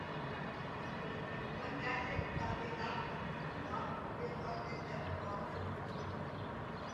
On y accède par deux larges couloirs voûtés, en légère pente.